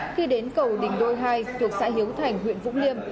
khi đến cầu đình đôi hai thuộc xã hiếu thành huyện vũng liêm